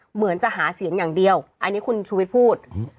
เหมือนจะหาเสียงอย่างเดียวอันนี้คุณชูวิทย์พูด